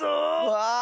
わあ！